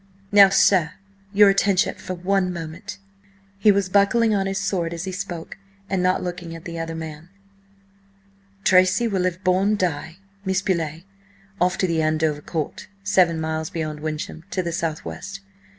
"Now, sir, your attention for one moment." He was buckling on his sword as he spoke, and not looking at the other man. "Tracy will have borne Di–Miss Beauleigh off to Andover Court, seven miles beyond Wyncham, to the south west.